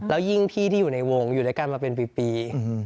แล้วยิ่งพี่ที่อยู่ในวงอยู่ด้วยกันมาเป็นปี